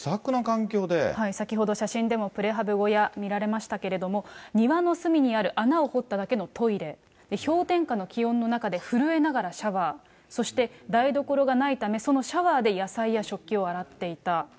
先ほど写真でもプレハブ小屋、見られましたけれども、庭の隅にある穴を掘っただけの、トイレ、氷点下の気温の中で震えながらシャワー、そして台所がないため、そのシャワーで野菜や食器を洗っていた。